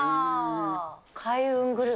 開運グルメ。